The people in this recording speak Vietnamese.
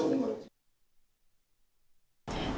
số cái đồ dùng